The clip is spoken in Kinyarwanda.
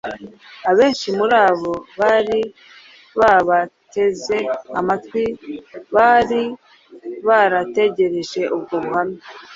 Abenshi muri abo bari babateze amatwi bari barategereje ubwo buhamya